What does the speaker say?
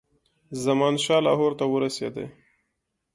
زمانشاه لاهور ته ورسېدی.